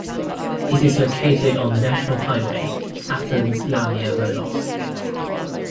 It is located on the national highway Athens-Lamia-Volos.